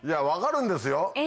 分かるんですよ